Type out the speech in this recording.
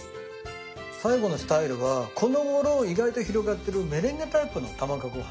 最後のスタイルはこのごろ意外と広がってるメレンゲタイプの卵かけご飯。